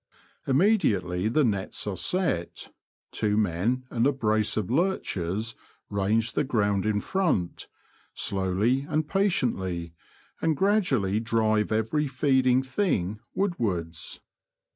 Im mediately the nets are set, two men and a brace of lurchers range the ground in front, slowly and patiently, and gradually drive every feeding thing woodwards.